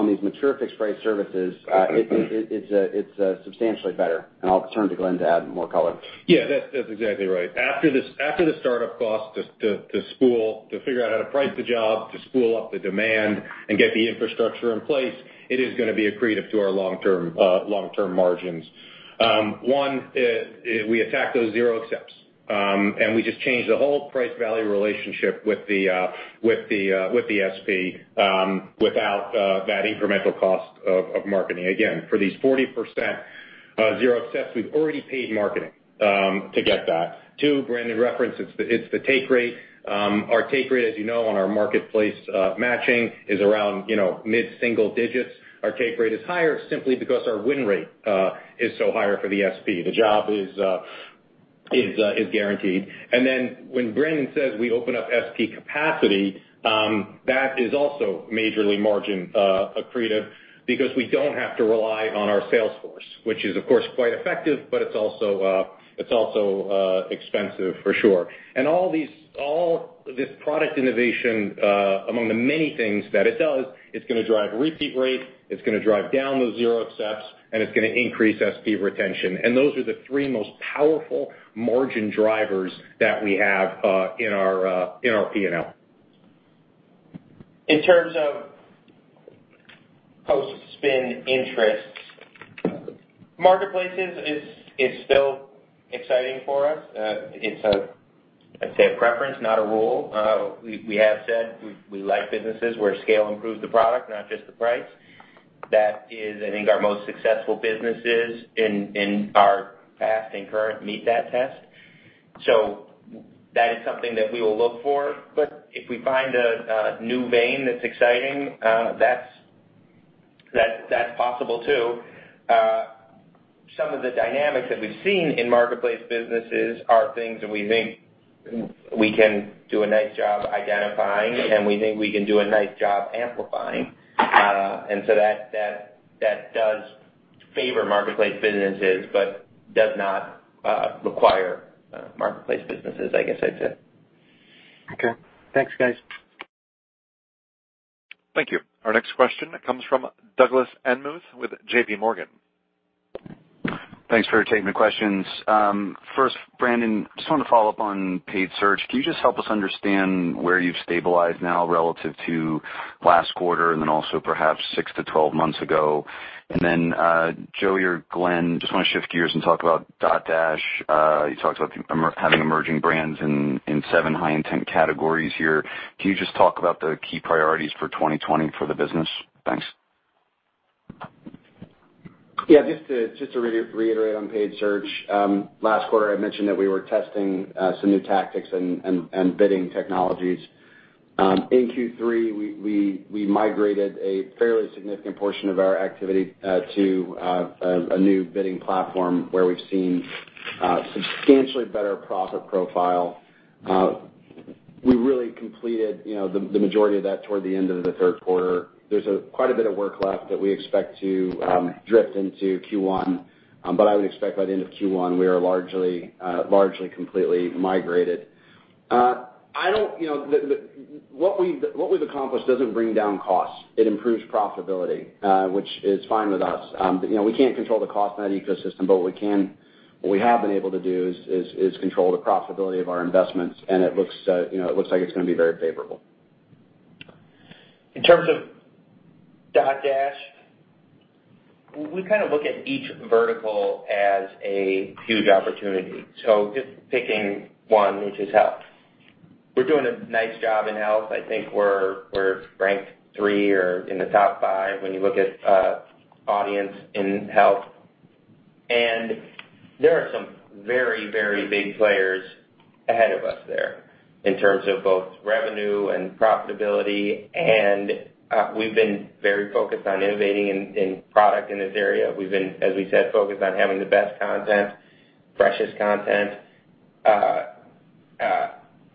these mature fixed price services, it's substantially better, I'll turn to Glenn to add more color. Yeah, that's exactly right. After the startup cost to spool, to figure out how to price the job, to spool up the demand and get the infrastructure in place, it is gonna be accretive to our long-term margins. One, we attack those zero accepts We just changed the whole price value relationship with the SP without that incremental cost of marketing. For these 40% zero accepts, we've already paid marketing to get that. Two, Brandon referenced, it's the take rate. Our take rate, as you know, on our marketplace matching is around mid-single digits. Our take rate is higher simply because our win rate is so higher for the SP. The job is guaranteed. When Brandon says we open up SP capacity, that is also majorly margin accretive because we don't have to rely on our sales force, which is of course, quite effective, but it's also expensive for sure. All this product innovation, among the many things that it does, it's going to drive repeat rate, it's going to drive down those zero accepts, and it's going to increase SP retention. Those are the three most powerful margin drivers that we have in our P&L. In terms of post-spin interests, marketplaces is still exciting for us. It's a, I'd say, a preference, not a rule. We have said we like businesses where scale improves the product, not just the price. That is, I think, our most successful businesses in our past and current meet that test. That is something that we will look for. If we find a new vein that's exciting, that's possible too. Some of the dynamics that we've seen in marketplace businesses are things that we think we can do a nice job identifying, and we think we can do a nice job amplifying. That does favor marketplace businesses but does not require marketplace businesses, I guess I'd say. Okay. Thanks, guys. Thank you. Our next question comes from Douglas Anmuth with J.P. Morgan. Thanks for taking the questions. First, Brandon, wanted to follow up on paid search. Can you help us understand where you've stabilized now relative to last quarter and then also perhaps 6 to 12 months ago? Joey or Glenn, want to shift gears and talk about Dotdash. You talked about having emerging brands in seven high intent categories here. Can you talk about the key priorities for 2020 for the business? Thanks. Yeah, just to reiterate on paid search. Last quarter, I mentioned that we were testing some new tactics and bidding technologies. In Q3, we migrated a fairly significant portion of our activity to a new bidding platform where we've seen substantially better profit profile. We really completed the majority of that toward the end of the third quarter. There's quite a bit of work left that we expect to drift into Q1, but I would expect by the end of Q1, we are largely completely migrated. What we've accomplished doesn't bring down costs. It improves profitability, which is fine with us. We can't control the cost in that ecosystem, but what we have been able to do is control the profitability of our investments, and it looks like it's going to be very favorable. In terms of Dotdash, we kind of look at each vertical as a huge opportunity. Just picking one, which is health. We're doing a nice job in health. I think we're ranked three or in the top five when you look at audience in health. There are some very big players ahead of us there in terms of both revenue and profitability. We've been very focused on innovating in product in this area. We've been, as we said, focused on having the best content, freshest content,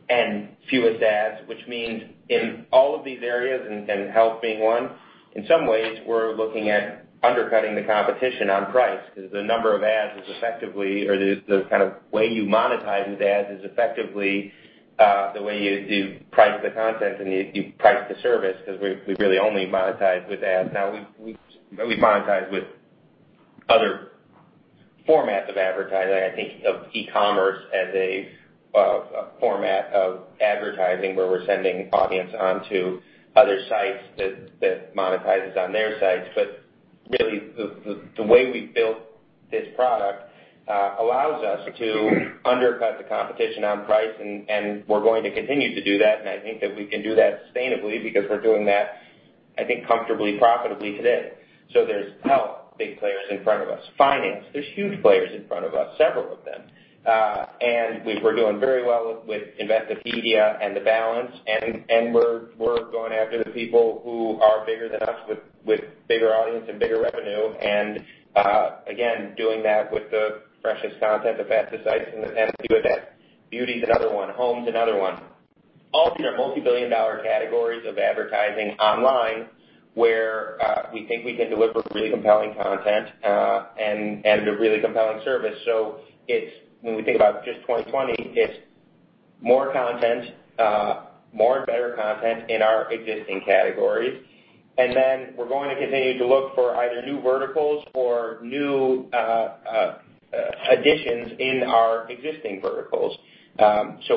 and fewest ads, which means in all of these areas and health being one, in some ways, we're looking at undercutting the competition on price because the number of ads is effectively, or the kind of way you monetize with ads is effectively the way you price the content and you price the service because we really only monetize with ads. We monetize with other formats of advertising. I think of e-commerce as a format of advertising where we're sending audience onto other sites that monetizes on their sites. Really, the way we've built this product allows us to undercut the competition on price, and we're going to continue to do that. I think that we can do that sustainably because we're doing that, I think, comfortably profitably today. There's health, big players in front of us. Finance, there's huge players in front of us, several of them. We're doing very well with Investopedia and The Balance, and we're going after the people who are bigger than us with bigger audience and bigger revenue. Again, doing that with the freshest content, the fastest sites, and the best view of that. Beauty is another one, home is another one. All of these are multibillion-dollar categories of advertising online where we think we can deliver really compelling content and a really compelling service. When we think about just 2020, it's more and better content in our existing categories. We're going to continue to look for either new verticals or new additions in our existing verticals.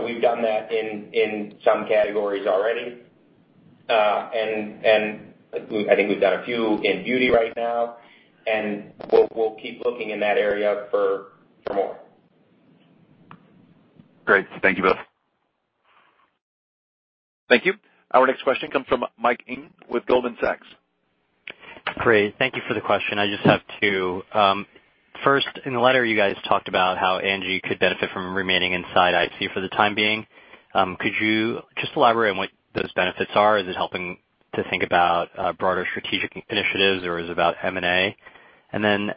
We've done that in some categories already I think we've done a few in beauty right now, and we'll keep looking in that area for more. Great. Thank you both. Thank you. Our next question comes from Mike Ng with Goldman Sachs. Great. Thank you for the question. I just have two. First, in the letter, you guys talked about how ANGI could benefit from remaining inside IAC for the time being. Could you just elaborate on what those benefits are? Is it helping to think about broader strategic initiatives, or is it about M&A? Then,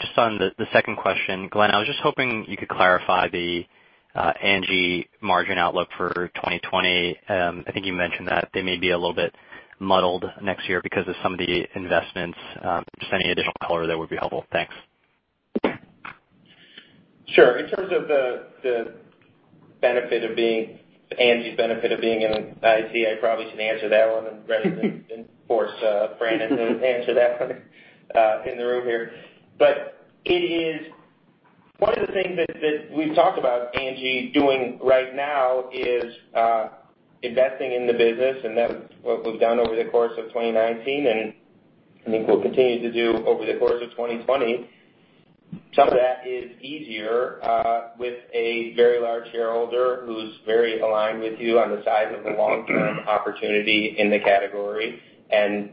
just on the second question, Glenn, I was just hoping you could clarify the ANGI margin outlook for 2020. I think you mentioned that they may be a little bit muddled next year because of some of the investments. Just any additional color there would be helpful. Thanks. Sure. In terms of the ANGI benefit of being in IAC, I probably should answer that one and force Brandon to answer that one in the room here. One of the things that we've talked about ANGI doing right now is investing in the business, and that's what we've done over the course of 2019, and I think we'll continue to do over the course of 2020. Some of that is easier with a very large shareholder who's very aligned with you on the size of the long-term opportunity in the category and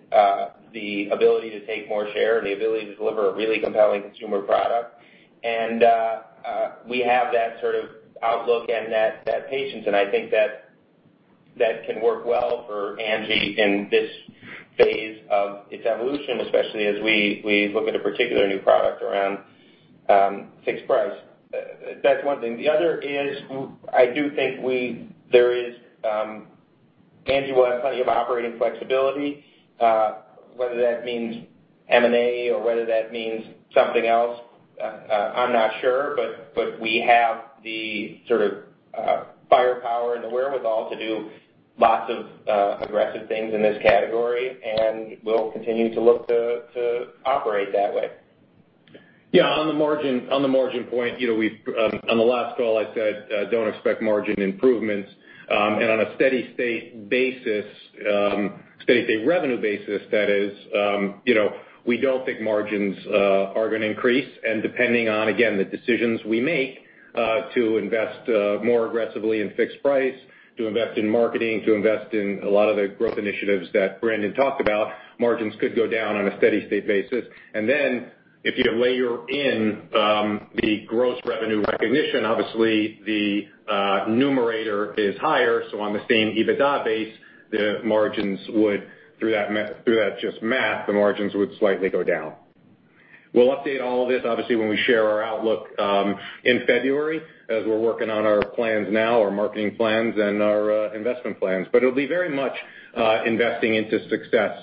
the ability to take more share, the ability to deliver a really compelling consumer product. We have that sort of outlook and that patience, and I think that can work well for ANGI in this phase of its evolution, especially as we look at a particular new product around fixed price. That's one thing. The other is, I do think ANGI will have plenty of operating flexibility. Whether that means M&A or whether that means something else, I'm not sure, but we have the sort of firepower and the wherewithal to do lots of aggressive things in this category, and we'll continue to look to operate that way. Yeah. On the margin point, on the last call, I said don't expect margin improvements. On a steady state basis, steady state revenue basis, that is we don't think margins are going to increase. Depending on, again, the decisions we make to invest more aggressively in fixed price, to invest in marketing, to invest in a lot of the growth initiatives that Brandon talked about, margins could go down on a steady state basis. If you layer in the gross revenue recognition, obviously the numerator is higher. On the same EBITDA base, through that just math, the margins would slightly go down. We'll update all of this, obviously, when we share our outlook in February as we're working on our plans now, our marketing plans, and our investment plans. It'll be very much investing into success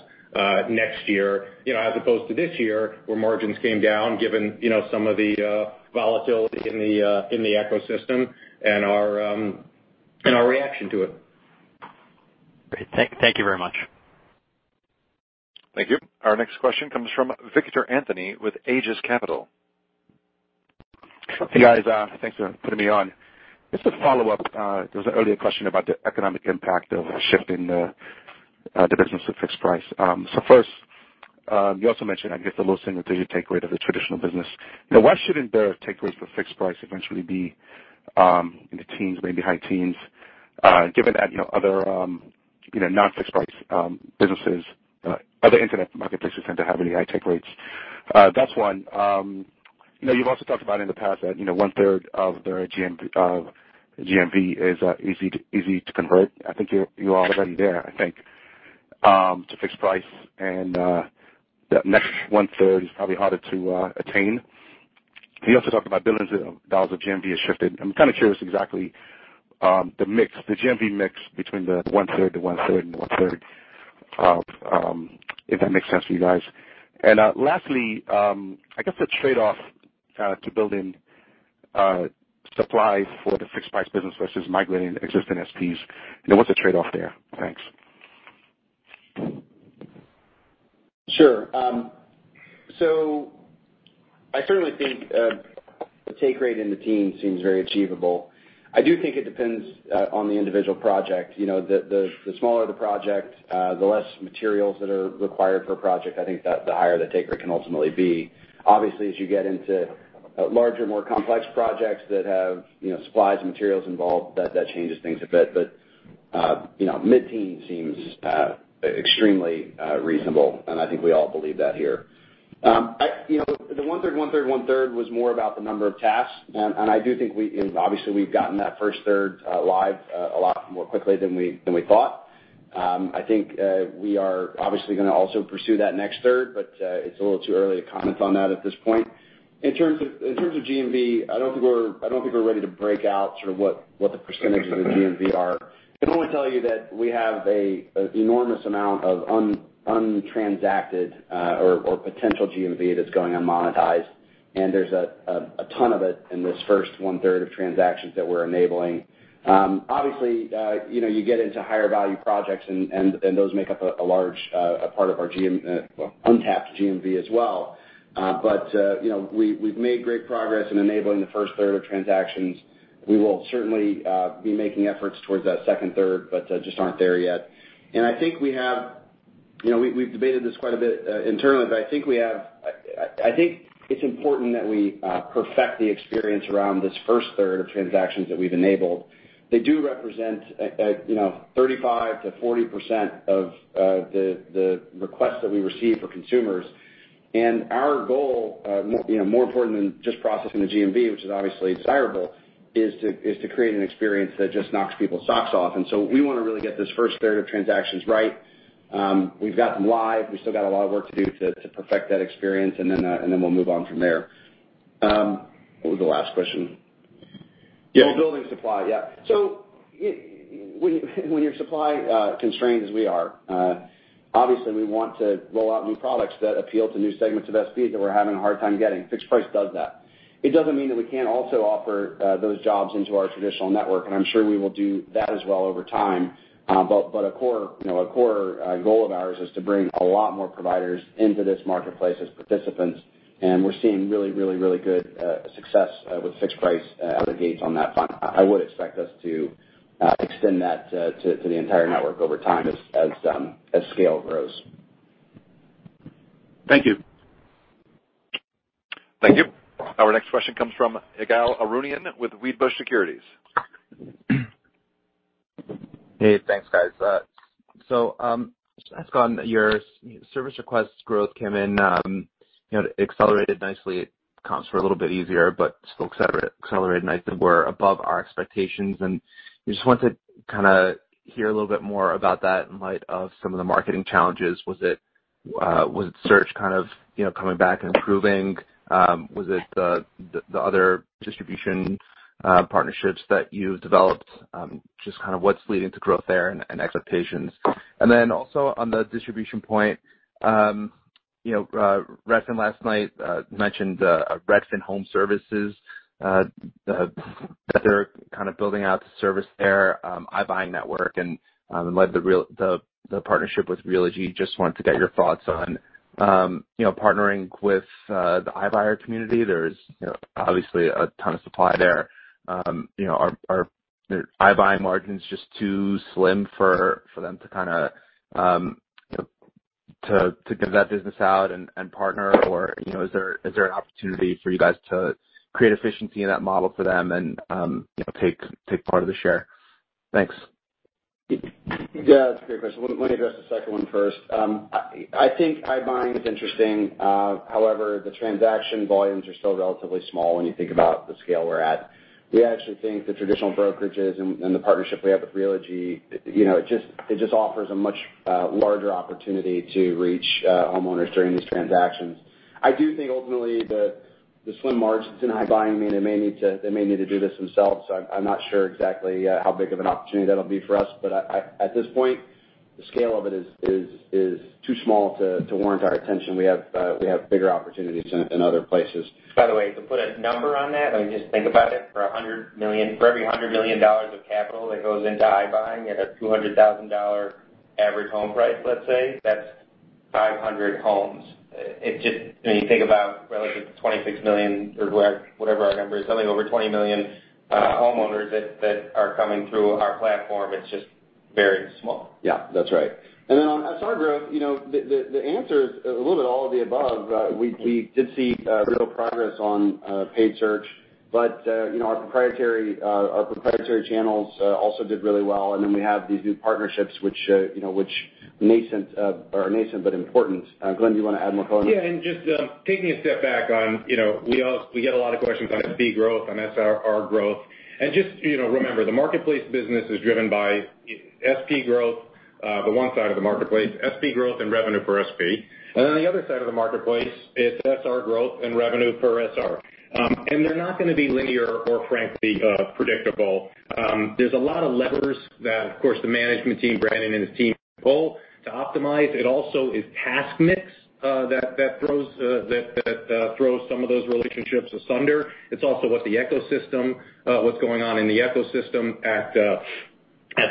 next year as opposed to this year where margins came down given some of the volatility in the ecosystem and our reaction to it. Great. Thank you very much. Thank you. Our next question comes from Victor Anthony with Aegis Capital. Hey, guys. Thanks for putting me on. Just a follow-up. There was an earlier question about the economic impact of shifting the business to fixed price. First, you also mentioned, I guess, the low single-digit take rate of the traditional business. Why shouldn't their take rates for fixed price eventually be in the teens, maybe high teens, given that other non-fixed price businesses, other internet marketplaces tend to have really high take rates? That's one. You've also talked about in the past that one-third of their GMV is easy to convert. I think you're already there, I think, to fixed price, and that next one-third is probably harder to attain. You also talked about billions of dollars of GMV has shifted. I'm kind of curious exactly the GMV mix between the one-third to one-third and one-third, if that makes sense for you guys. Lastly, I guess the trade-off to building supply for the fixed price business versus migrating existing SPs, what's the trade-off there? Thanks. I certainly think the take rate in the teen seems very achievable. I do think it depends on the individual project. The smaller the project, the less materials that are required per project, I think that the higher the take rate can ultimately be. Obviously, as you get into larger, more complex projects that have supplies and materials involved, that changes things a bit. Mid-teen seems extremely reasonable, and I think we all believe that here. The one-third, one-third, one-third was more about the number of tasks, and I do think, obviously, we've gotten that first third live a lot more quickly than we thought. I think we are obviously going to also pursue that next third, but it's a little too early to comment on that at this point. In terms of GMV, I don't think we're ready to break out sort of what the percentages of GMV are. Can only tell you that we have an enormous amount of un-transacted or potential GMV that's going unmonetized, and there's a ton of it in this first one-third of transactions that we're enabling. Obviously, you get into higher value projects, and those make up a large part of our untapped GMV as well. We've made great progress in enabling the first third of transactions. We will certainly be making efforts towards that second third, but just aren't there yet. We've debated this quite a bit internally. I think it's important that we perfect the experience around this first third of transactions that we've enabled. They do represent 35%-40% of the requests that we receive for consumers. Our goal, more important than just processing the GMV, which is obviously desirable, is to create an experience that just knocks people's socks off. We want to really get this first third of transactions right. We've got them live. We've still got a lot of work to do to perfect that experience. We'll move on from there. What was the last question? Whole building supply, yeah. When you're supply constrained as we are, obviously we want to roll out new products that appeal to new segments of SP that we're having a hard time getting. Fixed price does that. It doesn't mean that we can't also offer those jobs into our traditional network, and I'm sure we will do that as well over time. A core goal of ours is to bring a lot more providers into this marketplace as participants, and we're seeing really good success with fixed price out of the gates on that front. I would expect us to extend that to the entire network over time as scale grows. Thank you. Thank you. Our next question comes from Ygal Arounian with Wedbush Securities. Hey, thanks, guys. Ask on your service requests growth came in accelerated nicely. Comps were a little bit easier, but still accelerated nicely. Were above our expectations, and we just wanted to hear a little bit more about that in light of some of the marketing challenges. Was it search kind of coming back and improving? Was it the other distribution partnerships that you've developed? Just what's leading to growth there and expectations. Also on the distribution point, Redfin last night mentioned Redfin Home Services, that they're kind of building out the service there, iBuying network and led the partnership with Realogy. Just wanted to get your thoughts on partnering with the iBuyer community. There's obviously a ton of supply there. Are iBuying margins just too slim for them to give that business out and partner or is there an opportunity for you guys to create efficiency in that model for them and take part of the share? Thanks. Yeah, that's a great question. Let me address the second one first. I think iBuying is interesting. The transaction volumes are still relatively small when you think about the scale we're at. We actually think the traditional brokerages and the partnership we have with Realogy, it just offers a much larger opportunity to reach homeowners during these transactions. I do think ultimately the slim margins in iBuying mean they may need to do this themselves. I'm not sure exactly how big of an opportunity that'll be for us, but at this point, the scale of it is too small to warrant our attention. We have bigger opportunities in other places. By the way, to put a number on that, just think about it for every $100 million of capital that goes into iBuying at a $200,000 average home price, let's say, that's 500 homes. When you think about relative to 26 million or whatever our number is, something over 20 million homeowners that are coming through our platform, it's just very small. Yeah, that's right. On SR growth, the answer is a little bit all of the above. We did see real progress on paid search, our proprietary channels also did really well. We have these new partnerships which are nascent but important. Glenn, do you want to add more color? Yeah, just taking a step back on, we get a lot of questions on SP growth, on SRR growth. Just remember, the marketplace business is driven by SP growth, the one side of the marketplace, SP growth and revenue per SP. The other side of the marketplace is SR growth and revenue per SR. They're not going to be linear or frankly predictable. There's a lot of levers that, of course, the management team, Brandon and his team pull to optimize. It also is task mix that throws some of those relationships asunder. It's also what's going on in the ecosystem at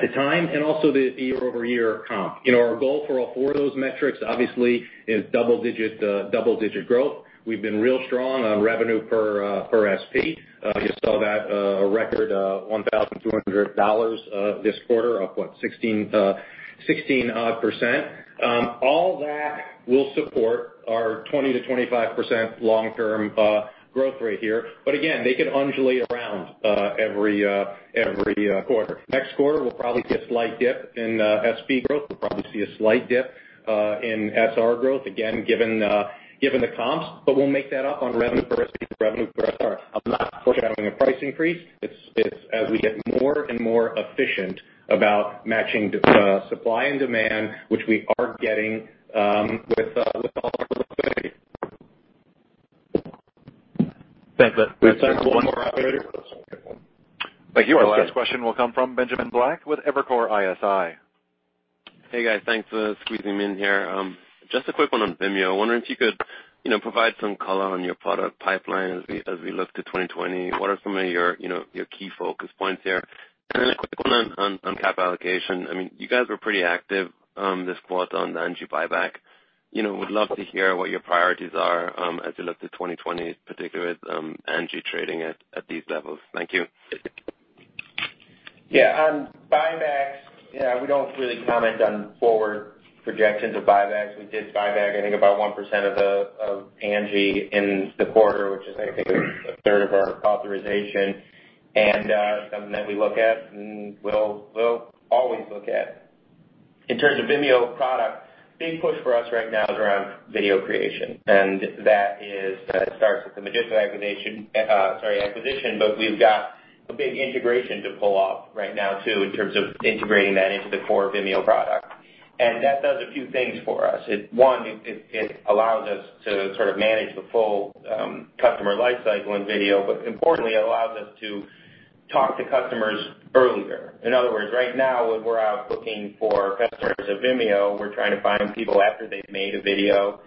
the time and also the year-over-year comp. Our goal for all four of those metrics obviously is double-digit growth. We've been real strong on revenue per SP. You saw that a record $1,200 this quarter of what, 16-odd %. All that will support our 20% to 25% long-term growth rate here. Again, they could undulate around every quarter. Next quarter, we'll probably see a slight dip in SP growth. We'll probably see a slight dip in SR growth, again, given the comps. We'll make that up on revenue per SP, revenue per SR. I'm not forecasting a price increase. It's as we get more and more efficient about matching supply and demand, which we are getting with all our liquidity. Thanks. We have time for one more operator. Thank you. Our last question will come from Benjamin Black with Evercore ISI. Hey, guys. Thanks for squeezing me in here. Just a quick one on Vimeo. Wondering if you could provide some color on your product pipeline as we look to 2020. What are some of your key focus points there? A quick one on capital allocation. You guys were pretty active this quarter on the Angie buyback. Would love to hear what your priorities are as we look to 2020, particularly with Angie trading at these levels. Thank you. Yeah. On buybacks, we don't really comment on forward projections of buybacks. We did buyback, I think, about 1% of ANGI in the quarter, which is, I think, a third of our authorization, something that we look at and we'll always look at. In terms of Vimeo product, big push for us right now is around video creation. That starts with the Magisto acquisition, but we've got a big integration to pull off right now, too, in terms of integrating that into the core Vimeo product. That does a few things for us. One, it allows us to sort of manage the full customer life cycle in video, but importantly, it allows us to talk to customers earlier. In other words, right now, when we're out looking for customers of Vimeo, we're trying to find people after they've made a video,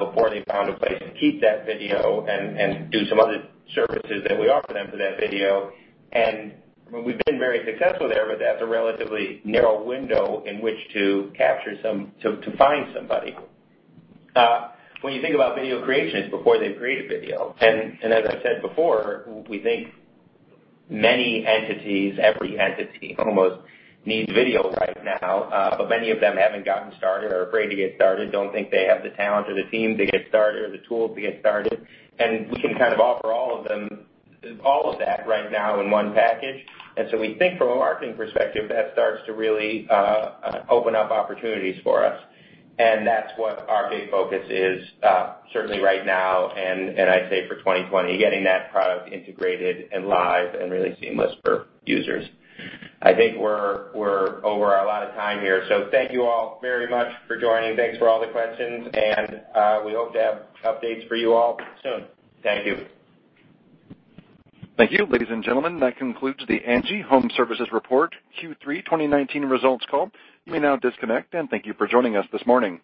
before they've found a place to keep that video and do some other services that we offer them for that video. We've been very successful there, but that's a relatively narrow window in which to find somebody. When you think about video creation, it's before they've created video. As I said before, we think many entities, every entity almost, needs video right now. Many of them haven't gotten started, are afraid to get started, don't think they have the talent or the team to get started, or the tools to get started. We can kind of offer all of that right now in one package. We think from a marketing perspective, that starts to really open up opportunities for us. That's what our big focus is, certainly right now, and I'd say for 2020, getting that product integrated and live and really seamless for users. I think we're over a lot of time here. Thank you all very much for joining. Thanks for all the questions, and we hope to have updates for you all soon. Thank you. Thank you. Ladies and gentlemen, that concludes the ANGI Homeservices Report Q3 2019 Results Call. You may now disconnect, and thank you for joining us this morning.